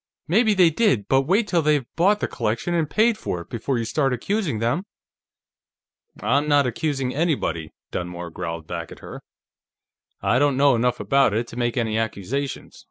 Maybe they did, but wait till they've bought the collection and paid for it, before you start accusing them!" "I'm not accusing anybody," Dunmore growled back at her. "I don't know enough about it to make any accusations.